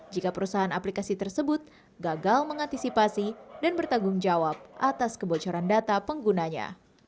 jika perusahaan aplikasi tersebut gagal mengantisipasi dan bertanggung jawab atas kebocoran data penggunanya